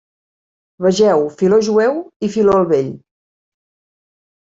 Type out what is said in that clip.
Vegeu Filó Jueu i Filó el Vell.